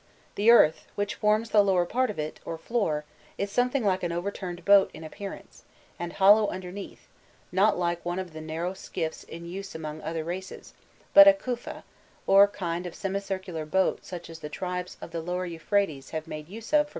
* The earth, which forms the lower part of it, or floor, is something like an overturned boat in appearance, and hollow underneath, not like one of the narrow skiffs in use among other races, but a kufa, or kind of semicircular boat such as the tribes of the Lower Euphrates have made use of from earliest antiquity down to our own times.